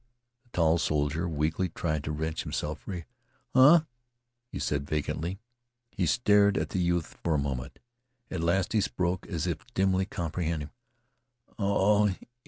The tall soldier weakly tried to wrench himself free. "Huh," he said vacantly. He stared at the youth for a moment. At last he spoke as if dimly comprehending.